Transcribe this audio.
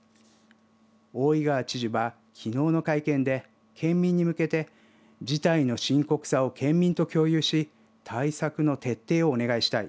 大井川知事は、きのうの会見で県民に向けて事態の深刻さを県民と共有し対策の徹底をお願いしたい。